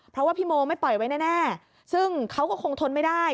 เพราะว่าพี่โมไม่ปล่อยไว้แน่ซึ่งเขาก็คงทนไม่ได้